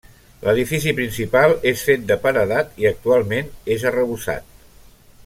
L'edifici principal és fet de paredat i actualment és arrebossat.